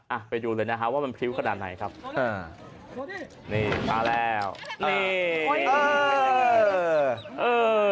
อ่ะไปดูเลยนะฮะว่ามันพริ้วขนาดไหนครับอ่านี่มาแล้วนี่เออ